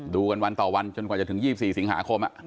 ดูกันวันต่อวันจนกว่าจะถึง๒๔สิงหาคม